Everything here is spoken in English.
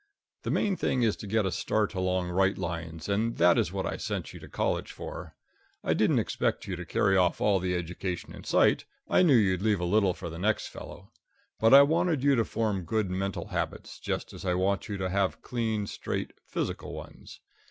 The main thing is to get a start along right lines, and that is what I sent you to college for. I didn't expect you to carry off all the education in sight I knew you'd leave a little for the next fellow. But I wanted you to form good mental habits, just as I want you to have clean, straight physical ones.